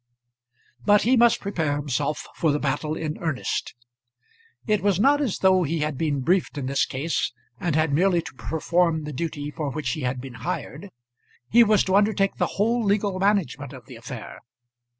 But he must prepare himself for the battle in earnest. It was not as though he had been briefed in this case, and had merely to perform the duty for which he had been hired. He was to undertake the whole legal management of the affair.